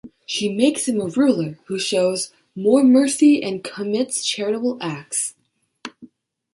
She makes him a ruler who shows more mercy and commits charitable acts.